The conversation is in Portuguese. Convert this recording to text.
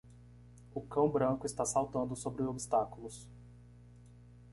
O cão branco está saltando sobre obstáculos.